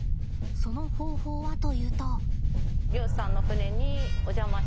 その方法はというと。